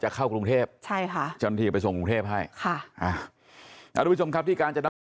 จะเข้ากรุงเทพจนที่ไปส่งกรุงเทพให้